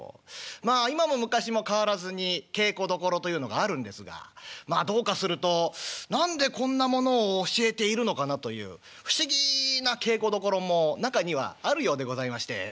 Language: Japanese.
まあ今も昔も変わらずに稽古どころというのがあるんですがまあどうかすると何でこんなものを教えているのかなという不思議な稽古どころも中にはあるようでございまして。